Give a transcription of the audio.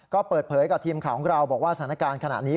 ก็เปิดเผยกับทีมข่าวของเราบอกว่าสถานการณ์ขณะนี้